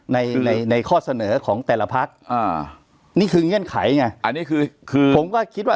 ในข้อเสนอของแต่ละพักนี่คือเงื่อนไขไงผมก็คิดว่า